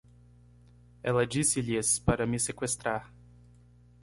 Ela disse-lhes para me seqüestrar.